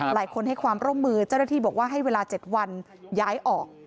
หลายคนให้ความร่วมมือเจ้าหน้าที่บอกว่าให้เวลา๗วันย้ายออก